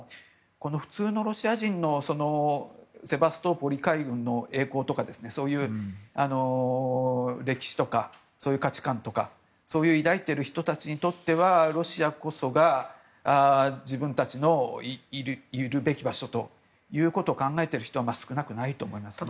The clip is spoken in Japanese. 普通のロシア人のセバストポリ海軍の栄光とかそういう歴史とかそういう価値観とか抱いている人にとってはロシアこそが自分たちのいるべき場所ということを考えている人は少なくないと思いますね。